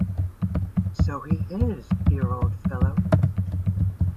So he is, dear old fellow!